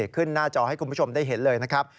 หน้าจอให้คุณผู้ชมได้เห็นเลยนะครับ